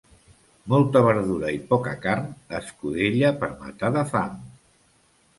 Molta verdura i poca carn, escudella per matar de fam.